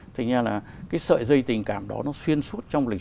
thế nên là cái sợi dây tình cảm đó nó xuyên suốt